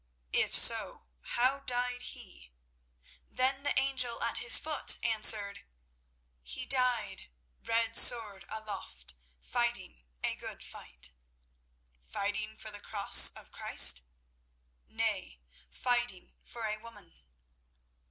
"If so, how died he?" Then the angel at his foot answered: "He died, red sword aloft, fighting a good fight." "Fighting for the Cross of Christ?" "Nay; fighting for a woman."